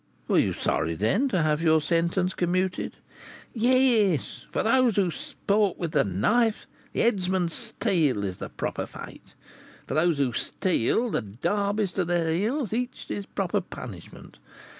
"Were you sorry, then, to have your sentence commuted?" "Yes; for those who sport with the knife, the headsman's steel is the proper fate; for those who steal, the 'darbies' to their heels: each his proper punishment.